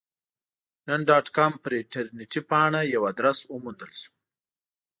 نن ډاټ کام پر انټرنیټي پاڼه یو ادرس وموندل شو.